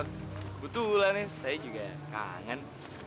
kebetulan ya saya juga kangen